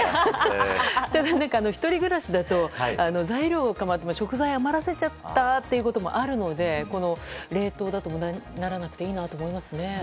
１人暮らしだと材料を買っても食材を余らせちゃうことがあるので、冷凍だと無駄にならなくていいなと思いますね。